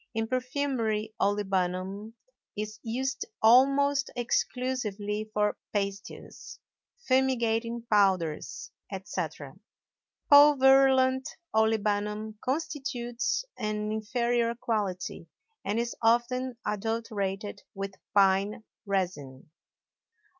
In perfumery olibanum is used almost exclusively for pastils, fumigating powders, etc. Pulverulent olibanum constitutes an inferior quality and is often adulterated with pine resin.